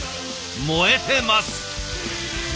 燃えてます。